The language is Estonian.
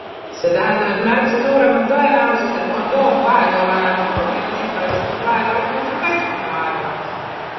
See tähendab, et märksa suurem on tõenäosus, et kondoom vahekorra ajal puruneb ning kaitstud vahekord muutub kaitsmata vahekorraks.